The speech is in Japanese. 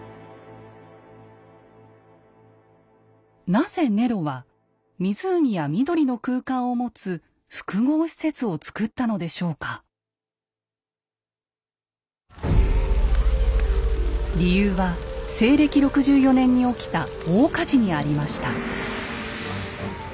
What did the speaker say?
なぜネロは湖や緑の空間を持つ理由は西暦６４年に起きた大火事にありました。